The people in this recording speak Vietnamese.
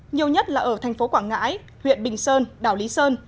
nhiều nhất là ở thành phố quảng ngãi huyện bình sơn đảo lý sơn